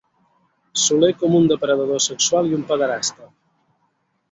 Soler com un depredador sexual i un pederasta.